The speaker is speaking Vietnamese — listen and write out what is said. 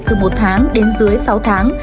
từ một tháng đến dưới sáu tháng